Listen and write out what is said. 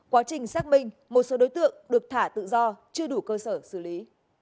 quá trình xác minh một số đối tượng được thả tự do chưa đủ cơ sở xử lý